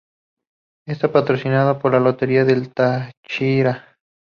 Está patrocinado por la Lotería del Táchira.